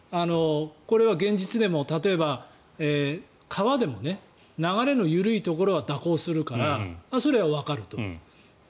これは現実でも例えば、川でも流れの緩いところは蛇行するからそれはわかると。